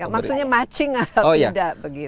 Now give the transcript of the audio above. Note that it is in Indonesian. maksudnya matching atau tidak